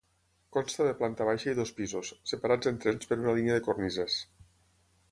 Consta de planta baixa i dos pisos, separats entre ells per una línia de cornises.